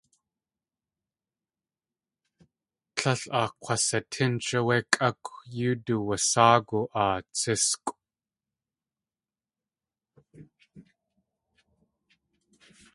Tlél aa k̲wasatínch wé kʼákw yóo duwasáagu aa tsískʼw.